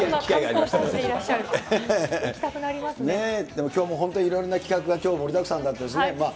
でもきょうも本当、いろいろな企画が盛りだくさんだったですね。